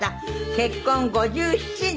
結婚５７年。